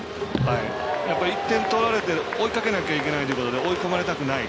やっぱり１点取られて追いかけなきゃいけないということで追い込まれたくない。